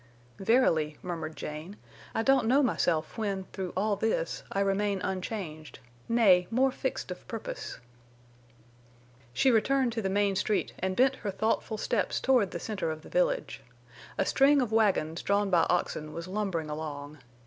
"Verily," murmured Jane, "I don't know myself when, through all this, I remain unchanged—nay, more fixed of purpose." She returned to the main street and bent her thoughtful steps toward the center of the village. A string of wagons drawn by oxen was lumbering along.